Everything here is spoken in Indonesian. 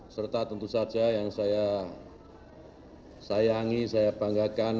serta tentu saja yang saya sayangi saya banggakan